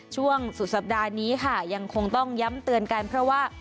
ช่วงสุดสัปดาห์นี้ค่ะยังคงต้องย้ำเตือนกันเพราะว่า